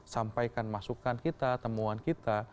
sampaikan masukan kita temuan kita